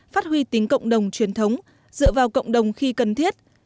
phát huy tính cộng đồng truyền thống dựa vào cộng đồng khi cần thiết